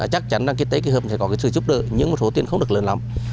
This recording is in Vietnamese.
chắc chắn là kỳ tây kỳ hợp sẽ có sự giúp đỡ nhưng một số tiền không được lớn lắm